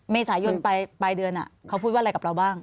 เมษายนปลายเดือนเขาพูดว่าอะไรกับเราบ้าง